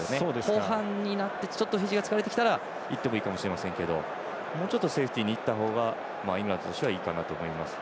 後半になってフィジーが疲れてきたらいってもいいかもしれないですがもうちょっとセーフティーにいったほうがイングランドとしてはいいかなと思います。